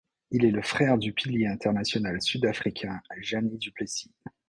Il est le frère du pilier international sud-africain Jannie du Plessis.